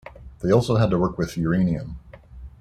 They also had to work with uranium.